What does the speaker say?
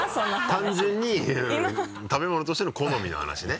単純に食べ物としての好みの話ね？